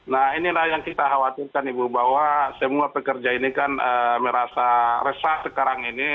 nah inilah yang kita khawatirkan ibu bahwa semua pekerja ini kan merasa resah sekarang ini